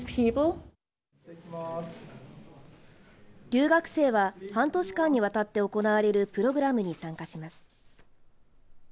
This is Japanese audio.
留学生は半年間にわたって行われるプログラムに参加します。